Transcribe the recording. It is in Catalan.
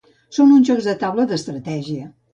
Són uns jocs de taula d'estratègia.